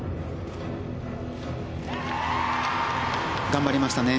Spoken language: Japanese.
頑張りましたね